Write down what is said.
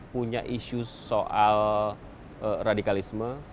punya isu soal radikalisme